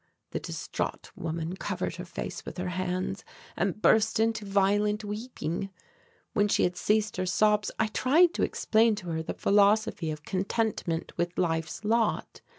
The distraught woman covered her face with her hands and burst into violent weeping. When she had ceased her sobs I tried to explain to her the philosophy of contentment with life's lot.